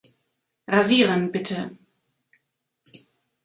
Rasieren, bitte.